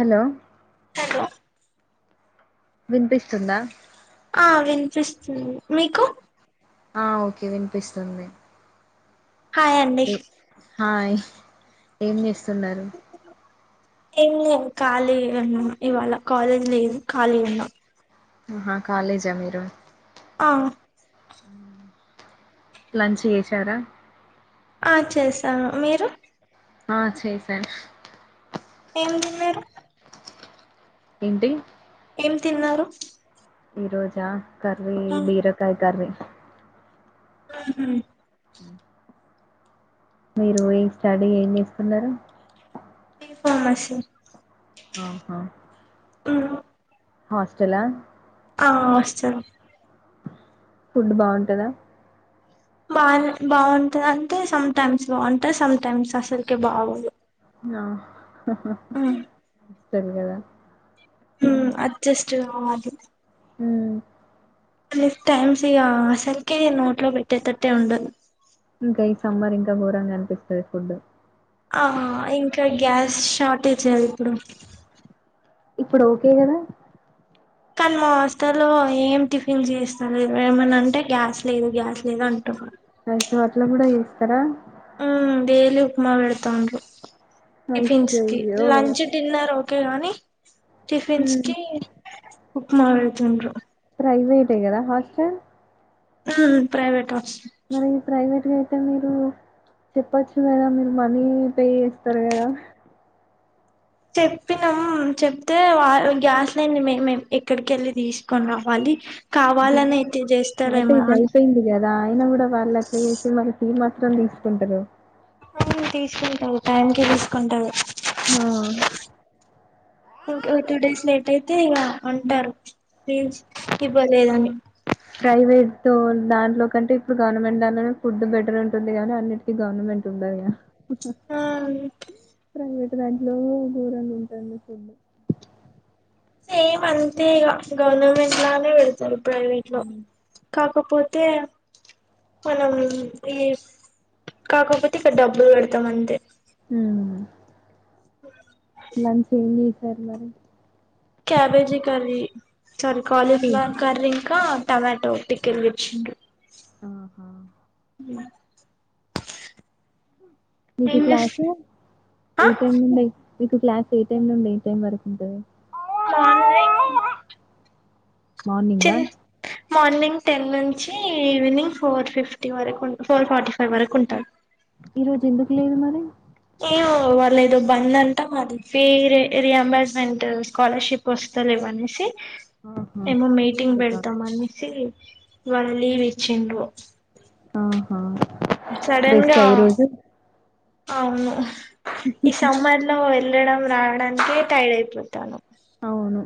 Hello hello వినిపిస్తుందా. ఆ వినిపిస్తుంది మీకు ఆ ఓకే వినిపిస్తుంది. హాయ్ అండి హాయ్ ఏం చేస్తున్నారు? ఏం లే ఖాళీ ఉన్నాం. ఇవాళ కాలేజ్ లేదు ఖాళీ ఉన్నాం. హా కాలేజా మీరు ఆ లంచ్ చేసారా ఆ చేసా మీరు ఆ చేసాను ఏమి తిన్నారు? ఏంటి ఏం తిన్నారు ఈ రోజా కర్రీ బీరకాయ కర్రీ హ ఉ మీరు ఈ స్టడీ ఏం చేస్తున్నారు బీ ఫార్మసి ఆహా అ హాస్టలా ఆ హాస్టల్ ఫుడ్ బాగుంటద బానే బాగుంటంది అంటే సమ్ టైమ్స్ బాగుంటాయి సమ్ టైమ్స్ అసలుకే బాగుదు అ తెలు కదా అడ్జస్ కావాలి హ నెక్స్ట్ టైమ్స్ ఇక అసలుకే నోట్ లో పెట్టేదట్టే ఉండదు ఇంకా ఈ సామ్బార్ ఇంకా ఘోరంగా అనిపిస్తుంది ఫుడ్ ఆ ఇంకా గ్యాస్ షార్టేజ్ అది ఇప్పుడు ఇప్పుడు ఓకే గాదా‌ కాన్ మా హాస్టల్లో ఏం టిఫిన్ చేస్తార ఏమైనా అంటే గ్యాస్ లేదు గ్యాస్ లేదు అంటార్ అయ్యో అట్లా కూడా చేస్తారా ఆ డైలీ ఉప్మా పెడతానురు టిఫిన్స్ కి అయ్యయ్యో లంచ్ డిన్నర్ ఓ‌క్‌ కేయాన్ని టిఫిన్స్ కి ఉప్మా పెడుతుండ్రురు ప్రైవేటీకదా హాస్టల్ అ ప్రైవేట్ హస్ మరి ప్రైవేట్ గా అయితే మీరు చెప్పచ్చు కదా మీరు మనీ పే చేస్తారు కదా చెప్పినామం చెప్తే వా గ్యాస్ లైని మె ఎక్కడికి తీసుకొ రావాలి కావాలని గ్యాన అయితే చేస్తారేమో షార్టేజ్ అని అయిపోయింది కదా ఆయన కూడా వాళ్ళ అట్లా చేస్తే మనకి చిత్రం తీసుకుంటారు అ తీసుకుంటారు టైం కి తీసుకుంటారు ఆ ఇంక టూ డేస్ లేట్ అయితే ఇగ అంటారు ఫీజ్ ఇవ్వలేదని ప్రైవేట్ తో దాంట్లో కంటే ఇప్పుడు గవర్నమెంట్ దాంట్లోనే ఫుడ్ బెటర్ ఉంటుంది కాగానీ అన్నిటికీ గవర్నమెంట్ ఉంనంగా ఆన్ ప్రైవేట్ దాంట్లో గోరంగా ఉంటాంది ఫుడ్ సేమ్ అంతే ఇగ గవర్నమెంట్ లానే పెడతారు. ప్రైవేట్ లో కాక్ కాకపోతే పొలం ఈ కాకపోతే ఇక్కడ డబ్బులు పెడ్తాం అంతే. హ్మ్ లంచ్ అయింది సర్ మరి cabbage curry sorry cabbage cauliflower curry ఇంకా టొమాటో పికిల్ తెచ్చిండ్రు ఉహూ నీకు ఏం చేస్ క్లాసు ఆ ఏ టైమ్ నుండి నీకు క్లాస్ ఏ టైమ్ నుండి ఏ టైమ్ వరకు ఉంటుంది మాది మార్నింగా మార్నింగ్ టెన్ నుంచి ఈవినింగ్ ఫోర్ ఫిఫ్టీ వరకు ఫోర్ ఫార్టీ ఫైవ్ వరకు ఉంటా ఈ రోజు ఎందుకు లేదు మరి అంటే ఇవాళ ఏదో బంద్ అంటా మాది ఫీజ్ రియంబర్స్మెంట్ స్కాలర్షిప్ వస్త లేదు అనేసి ఆహా ఏమో మీటింగ్ అందుకా పెడతాం అనేసి ఇవాళ లీవ్ ఇచ్చిండ్రు ఆహా చడన్ రెస్ట్ గా ఆ ఈరోజు అవును ఈ సమ్మార్ లో ఎల్ ఎడన్నా రావడానికే టైడ్ అయిపోతాన అవును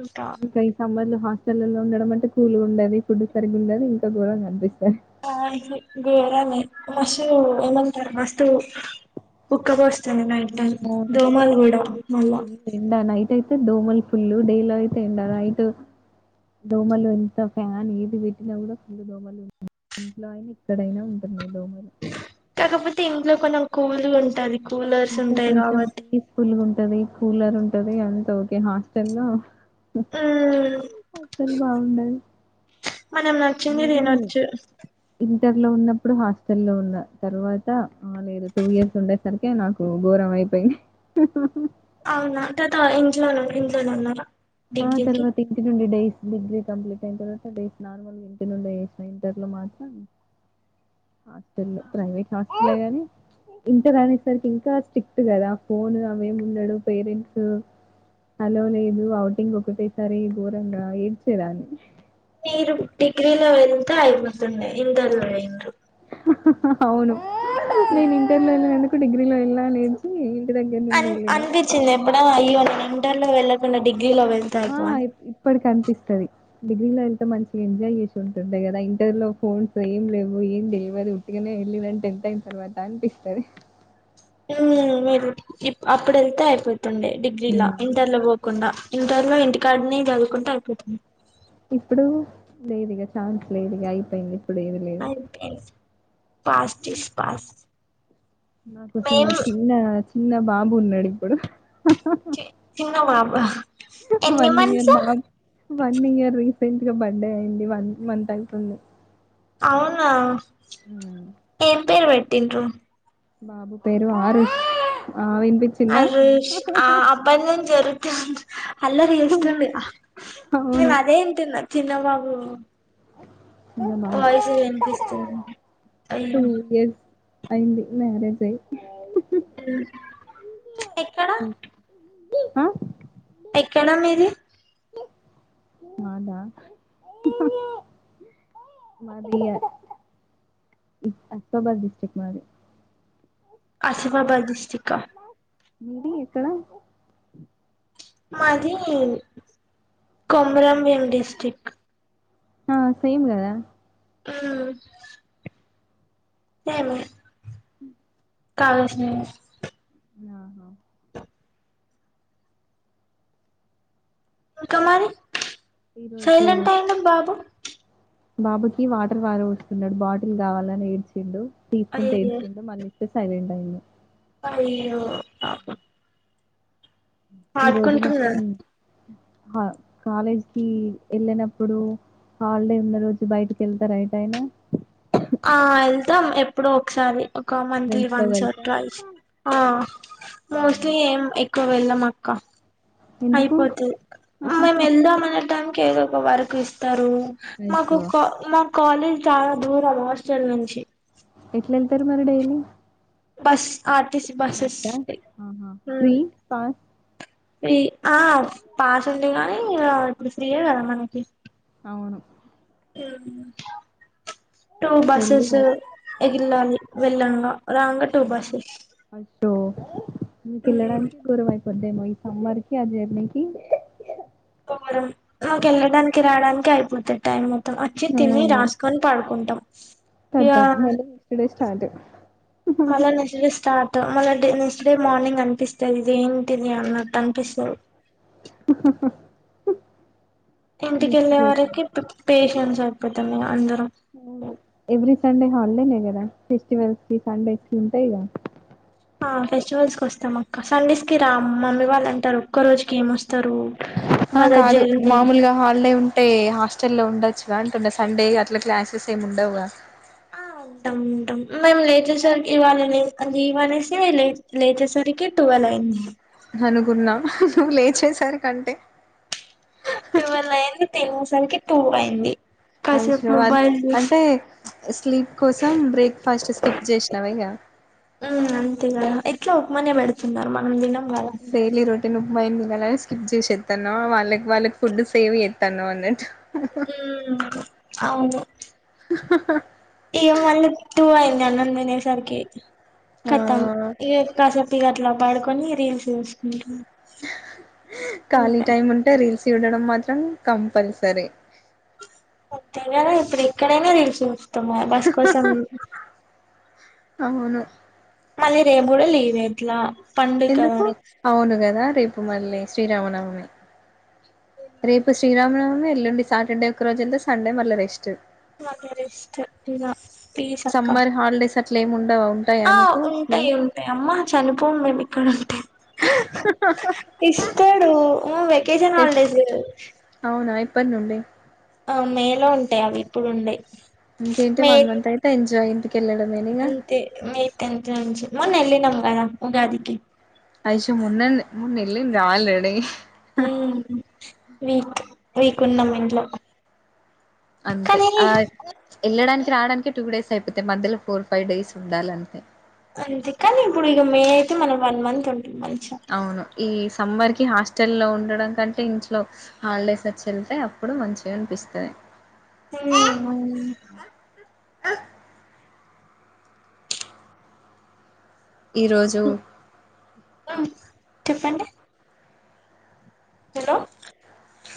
ఇంకా ఇక ఈ సమ్మర్ లో హాస్టలో ఉండడం అంటే కూల్ ఉండదు ఫుడ్ సరిగ్గా ఉండదు ఇంకా గోరంగా అనిపిస్తది ఆ ఇ రే మస్తుు ఏమంటారు మస్తు ఉక్క పోస్ చిన్న నైట్ టన్ అవును దోమలు కూడ మళ్ళా అతే దోమలు ఫుల్లు డైలో అయితే ఉండా అైట్ దోమలు ఎంత ఫ్యాన్ ఏది పెట్టినా కూడా ఫుల్ దోమలు ఉ ఇంట్లో అయినా ఎక్కడైనా ఉంటున్నాయి దోమలు కాకపోతే ఇంట్లో కొంచం కోలు ఉంటది కూలర్స్ ఉంటాయి [unintelligible] కాబట్టి పీస్ఫుల్గా ఉంటది కూలర్ ఉంటది అంత ఓకే హాస్టల్ లో మ్మ్ అసలు బాగుండది మనం నచ్చింది తినొచ్చు టర్ లో ఉన్నప్పుడు హాస్టల్ లో ఉన్న తర్వాత ఆ లేదు టూ ఇయర్స్ ఉండే సరి తే నాకు ఘోరం అయిపోయింది అవునా తత ఇంట్లోనే ఇంట్లోనే ఉన్నార ఆ తర్వా త ఇంత నుండి డైస్ బద కంప్లీట్ అయిన తర్వాత నార్మూల్ ఇంటి నుండే వేసిన ఇంటర్లో మాత్రం అ ప్రైవేట్ ట్గాని ఇంటర్ అనేసరికి ఇంకా స్ట్రిక్ట్ కదా ఫోన్ అవేమి ఉండడు పేరెంట్స్ హలో లేదు అవుటింగ్ ఒకటేసారి దూరంగా ఏడ్చేదన్ని [unintelligible] అయిపోతున్న ఇందల్ ఇందు అవును నేను ఇంటర్లో ఎల్లి నాను డిగ్రీలో ఎలా నేర్చి అన్ అన్ అనిపించింది ఎబ్బుడైన ఇయ్యాల అన్ ఇంటర్ లో వెళ్లకుండ డిగ్ ఆ ఇ ఇప్పటికి అనిపిస్తది డిగ్రీలో వెళ్తే మంచిగా ఎంజాయ్ చేసి ఉంటుంటాయి కదా ఇంటర్లో ఫోన్స్ ఏం లేవు ఏంటి లేవు అది ఉట్టుగానే వెళ్ళిదని టెన్త్ అయిన తర్వాత అనిపిస్తది హ్మ్ మీరు ఇ అప్పుడు వెళ్తే అయిపో తుండే డిగ్రీ లా హ్మ్. ఇంటర్ లో పో కుండా ఇంటర్ లో ఇంటి కాడనే చదువుకుంటే అయిపోతుంది ఇప్పుడు లేదు ఇగ ఛాన్స్ లేదుగ అయిపోయింది ఇప్పుడు ఏది లేదు అయి పెన్స్ పాస్ట్ ఇస్ పాస్ట్ నాకి చిన మేము చ్చినాచ్ చిన్న బాబు ఉన్నడు ఇప్పుడు హ్మ్ చిన్న బాబు హు ఎన్ని one year months back one year tenth birthday అయింది వన్ మంత్ ఐతుంది అవున ఏం పేరు పెట్టిండ్రు బాబు పేరు ఆరీ అరెష్ ఆ అప్పటి నుంచి [unintelligible] [unintelligible] అల్లరి చేస్తుంది నేను అవును అదే అంటున్న చిన్న బాబు చిన్న బాబు వాయిస్ వినిపిస్తుంది టూ అయ్యో ఇయర్స్ అయింది మ్యారేజ్ అయి మ్మ్ ఎక్కడ ఆ ఎక్కడా మీది అదా మరి అస్బాద్ డిస్ట్రిక్ట్ మరి ఆసిమాబాద్ స్ట్ర మీది ఎక్కడ మాది కొమరం కోవల్ డిస్ట్రిక్ట్ ఆ సేమ్ కదా ఆ సేవ హ కావసి నను ఆహా క మరి ఈరోజు సైలెంట్ అయిడి బాబు బాబుకి వాటర్ తాగిపిస్తున్నడు బాటిల్ కావాలని ఏడ్చిండు తీసుకుంటే అయ్యో ఏడ్చిండు మళ్ళీ సైలెంట్ ఐన్డు అయ్యో పాపం ఈ రోజు మొత్తం ఆడుకుంటున్నాడు కాలేజ్ కి వెళ్ళినప్పుడూ హాలిడే ఉన్న రోజు బయటికి వెళ్తార ఎటు అయినా ఆ వెళ్తాం ఎప్పుడో ఒకసారి మంత్లీ ఫ్రెండ్స్‌తో వన్స్ ఆర్ కలిసా? ట్వైస్ ఆ హ్మ్. మోస్ట్లీ ఏం ఎక్కు అలా వెళ్ళమ్ అక్క ఎందుకు? అయిపోతది మేం ఎల్దామనే టైం ఏదో ఒక వర్కు ఇస్తారూ మాకు అయ్యో! కా మా కాలేజ్ చాలా దూరం హాస్టల్ నుంచి ఎట్ల ఎళ్తరు మరి డైలీ బస్ ఆర్టీసీ బస్సెస్ బస్సా ఆ హా ఫ్రీ ఉమ్ పాస్ ఫ్రీ ఆ పాస్ ఉండే ఇప్పుడు ఫ్రీయే కదా మనకి అవును టూ వెళ్ళి బస్స్ ఎగిలాలి వెళ్ళంగా రాంగ టూ హ్మ్. బస్స్ మెకెల్లడానికి గొడవైతది వద్దే అమ్మో ఈ సమ్మర్ కీ ఆ జర్నీ కీ నాకు వెళ్ళడానికి రావడానికి అయిపోతది టైమ్ వచ్చి ఆ! తిని రాసుకొని పడుకుంటాం ఇకా ఖతం మళ్ళీ నెక్స్ట్ డే స్టార్ట్. మళ్ళ నెక్స్ట్ డే స్టార్ట్ మళ్ళ నెక్స్ట్ డే మార్నింగ్ అనిపిస్తది ఇది ఏంటిది అన్నట్టు అనిపిస్తది హా హా హా ఇంటికెళ్ళే వరకి పేషెన్స్ ఇపోతం ఇగ అందరం అవును ఎవ్రీ సండే హాలిడేనే గదా ఫెస్టివల్స్ కి సండేస్కి ఉంటయి కదా ఆ ఫెస్టివల్స్కీ వస్తాం అక్క సండేస్ కి రాం మమ్మీ వాళ్ళు అంటారు ఒక్క రోజుకి ఏమొస్ ఆ కాదు మామూలుగా హాలిడే ఉంటే హాస్టల్ లో ఉంట్ ఉండొచ్చుగా అంటుంనా సండే ఎట్ల క్లాసెస్ ఉండవిగా ఆ ఉంటాం ఉంటాం మేము లేచేసరికి ఇవ్వాల అ ఇవ్వనేసి లే లేచేసరికి టువల్ అయింది అనుకున్నా నువ్వు లే చేసారికీ అంటే టూవెల్ అయింది తిని సరికి టూ అయింది కాసేపు అయ్యో మొబైల్ చూసి అంటే స్లీప్ కోసం బ్రేక్ఫాస్ట్ స్కిప్ చేసినవ ఇక ఎట్ల ఉప్మానే పెడుతున్నారు మాక్ డైలీ రోటీన్ ఉప్పుమాయి స్కిప్ చేసేస్తానవా వాళ్ళకి వాళ్ళకి ఫుడ్ సేవ్ చేస్తానవ్ అన్నట్టు ఉ అవును హా ఇకా మళ్ టూ అయింద్ అన్నం తినేసరికి ఆ కతం ఇక కాసేప్ ఇక అట్లా పాడుకొని రీల్స్ చూసుకుంట్ కాలి టైమ్ ఉంటె రీల్స్ చూడడం మాత్రం కంపల్సరీ ముంతంగా ఇప్పుడు ఇక్కడనా తెలుసు తో మోమ్స్ కోసం అవును మళ్ళీ రేం కూడా లీవ్ఎ ఎట్లా ఎందుకు అవును కదా రేపు మళ్ళీ శ్రీరామనవమి రేపు శ్రీరామనవమి వెల్లుండి సాటర్డే ఒకక్క రోజు వెళ్తే సండే మళ్ళ రెస్ట్ [inaudible] ప్లీజ్ అక్క అట్లేం ఉం ఆ ఉంటాయి ఉంటాయి అమ్మా చనిపో మేం ఇక్కడ ఇస్తాడు. మ్ వ్యక్ [inaudible] హాలిడేస్ ప్పట్ నుండి ఆ మేలో ఉంటయి అవి ఇప్పుడు ఉండయి. ఇంకేంటి మే వన్ మంత్ అయితే ఎంజాయ్ ఇం అంతే మే టెన్త్ నుంచి మొన్న ఎల్లినం గదా ఉగాదికి అయిషు మొన్న మొన్న ఎల్లింది రా ఆల్రెడీ వీట్ వీకున్నం ఇట్లో అంతే ఆ ఎళ్ళడానికి రాడానికి టూ డేస్ అయిపోతాయి మధ్యలో ఫోర్ ఫైవ్ డేస్ ఉండాలంతే అంతే కానీ ఇప్పుడు ఇగ మే అయితే మనం వన్ మంత్ ఉం అవును ఈ సమ్మర్ కి హాస్టల్లో ఉండడం కంటే ఇంట్లో హాలిడేస్ అచ్చి వెళ్తే అప్పుడు మంచిగా అనిపిస్తది. హ్మ్ అ ఈరోజు ఉమ్ చెప్పండి. హలో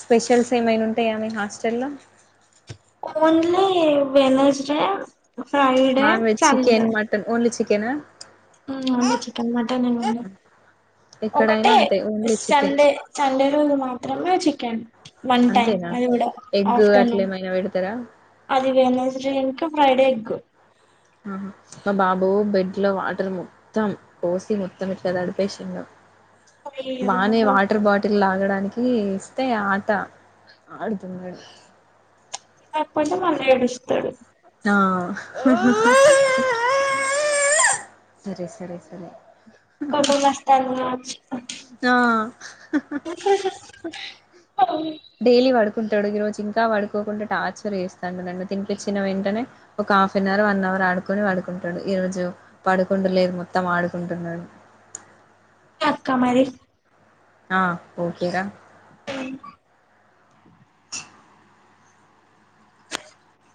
స్పెషల్స్ ఏమైనా ఉంటయా మీ హాస్టల్లో ఓన్లీ వెడ్నెస్డే ఫ్రైడే, సండే. కెనా మ్ మండే చికెన్, మటన్ నేన్ వండ ఎక్కడైనా ఒకటే అంతే ఓన్లీ చికెన్ సండే సండే రోజు మాత్రమే చి కెన్ వన్ టై అంతేనా అది గుడా ఎగ్ అట్లా ఆఫ్టర్నూన్ ఏమైనా పెడతారా అది వెడ్నెస్డే ఫ్రైడే ఎగ్ ఆ మా బాబు బెడ్లో వాటర్ మొత్తం పోసి మొత్తం ఇట్లా తడిపేసిండు. అయ్యో బానే వాటర్ బాటిల్ లాగడానికి ఈ ఇస్తే ఆట ఆడుతున్నాడు. అయ్యక పోతే మళ్ళ ఏడుస్తాడు. ఆ సరే సరే సరే కబస్తతా అ ఓ డైలీ పడుకుంటాడు ఈరోజు ఇంకా పడుకోకుండా టార్చర్ చేస్తాడు నన్ను తినిపించిన వెంటనే ఒక half an hour one hour ఆడుకొని పడుకుంటాడు ఈరోజు పడుకుం లేదు మొత్తం ఆడుకుంటున్నాడు క్క మరి ఆ ఓకేద అ [unintelligible] [unintelligible]